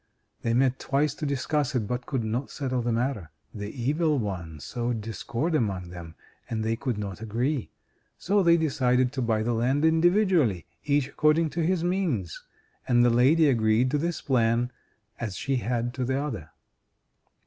They met twice to discuss it, but could not settle the matter; the Evil One sowed discord among them, and they could not agree. So they decided to buy the land individually, each according to his means; and the lady agreed to this plan as she had to the other.